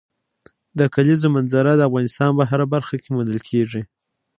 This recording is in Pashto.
د کلیزو منظره د افغانستان په هره برخه کې موندل کېږي.